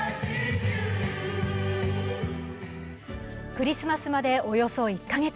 クリスマスまでおよそ１カ月。